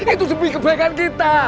itu demi kebaikan kita